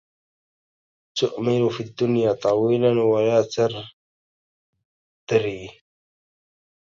تؤمل في الدنيا طويلا ولا تدري